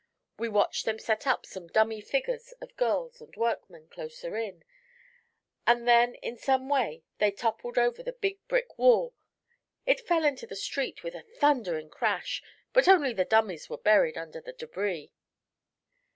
We watched them set up some dummy figures of girls and workmen, closer in, and then in some way they toppled over the big brick wall. It fell into the street with a thundering crash, but only the dummies were buried under the debris."